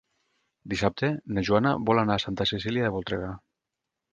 Dissabte na Joana vol anar a Santa Cecília de Voltregà.